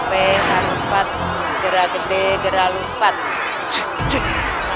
tuhan yang terbaik